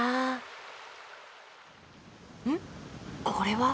これは？